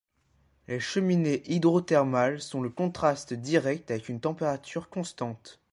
Les cheminées hydrothermales sont le contraste direct avec une température constante.